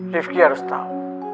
rifki harus tau